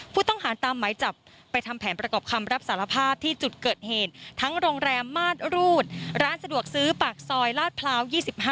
ผู้ต้องหาตามหมายจับไปทำแผนประกอบคำรับสารภาพที่จุดเกิดเหตุทั้งโรงแรมมาสรูดร้านสะดวกซื้อปากซอยลาดพร้าว๒๕